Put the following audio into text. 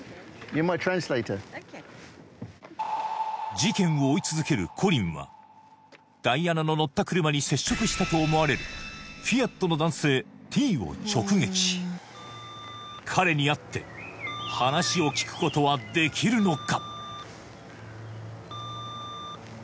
事件を追い続けるコリンはダイアナの乗った車に接触したと思われるフィアットの男性Ｔを直撃彼に会って話を聞くことはできるのか？